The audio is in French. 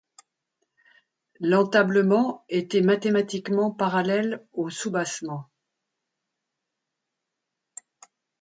L’entablement était mathématiquement parallèle au soubassement.